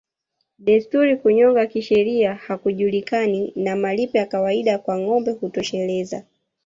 Desturi Kunyongwa kisheria hakujulikani na malipo ya kawaida kwa ngombe hutosheleza